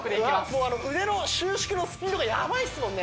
もうあの腕の収縮のスピードがやばいっすもんね